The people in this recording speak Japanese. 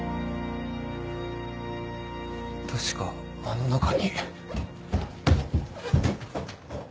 確かあの中に。